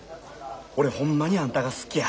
俺ホンマにあんたが好きや。